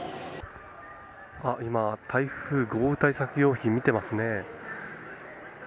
今、台風・豪雨対策用品を見ていますね。